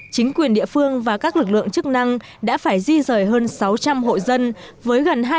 chính quyền địa phương và các lực lượng chức năng đã phải di rời hơn sáu trăm linh hội dân với gần hai năm trăm linh khẩu